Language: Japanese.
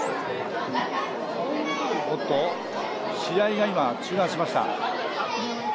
試合が今、中断しました。